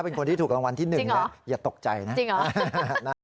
เป็นคนที่ถูกรางวัลที่หนึ่งนะอย่าตกใจนะนะฮะนะฮะนะฮะนะฮะนะฮะนะฮะนะฮะ